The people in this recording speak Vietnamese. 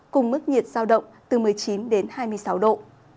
cùng mức nhiệt sao động từ một mươi chín hai mươi năm độ